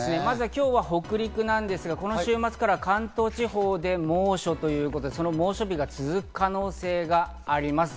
今日は北陸なんですが、週末は関東地方でも猛暑ということで猛暑日が続く可能性があります。